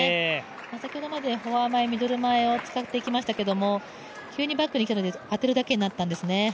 先ほどまでフォア前、ミドル前を使ってきましたけれども、急にバックに来たので、当てるだけになったんですね。